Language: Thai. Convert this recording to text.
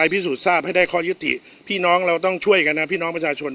พี่น้องเราต้องช่วยกันนะพี่น้องประชาชน